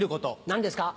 何ですか？